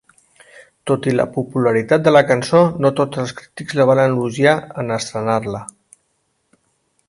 Tot i la popularitat de la cançó, no tots els crítics la van elogiar en estrenar-la.